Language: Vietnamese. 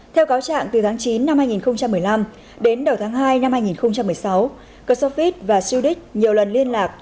theo cáo trạng từ tháng chín năm hai nghìn một mươi năm đến đầu tháng hai năm hai nghìn một mươi sáu ksofit và sudic nhiều lần liên lạc